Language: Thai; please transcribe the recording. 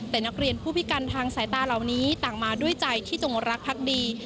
แต่นักเรียนผู้พิการทางสายตาเหล่านี้ต่างมาด้วยใจที่จงรักพักดี